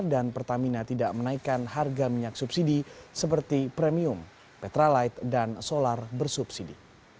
dan pertamina tidak menaikkan harga minyak subsidi seperti premium petrolite dan solar bersubsidi